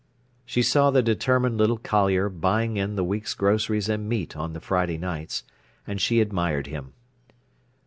She saw the determined little collier buying in the week's groceries and meat on the Friday nights, and she admired him.